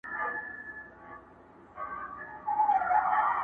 o آس که ټکنى دئ، ميدان يي لنډنى دئ٫